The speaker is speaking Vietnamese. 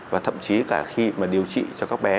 và thậm chí cả khi mà điều trị cho các bé